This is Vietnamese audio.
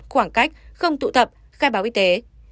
khoảng cách không tụ tập khai báo y tế